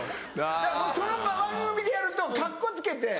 だからその番組でやるとカッコつけて。